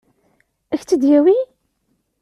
Ad k-tt-id-yawi?